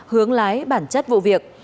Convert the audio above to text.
hướng lái bản chất vụ việc